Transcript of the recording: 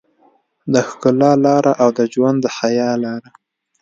د ښکلا لاره او د ژوند د حيا لاره.